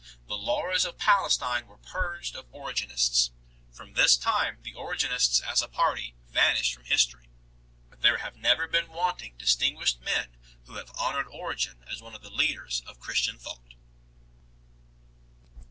The Lauras of Palestine were purged of Origenists. From this time the Origenists as a party vanish from history, but there have never been wanting distinguished men who have honoured Origen as one of the leaders of Christian thought.